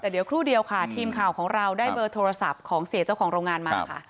แต่เดี๋ยวครู่เดียวค่ะทีมข่าวของเราได้เบอร์โทรศัพท์ของเสียเจ้าของโรงงานมาค่ะ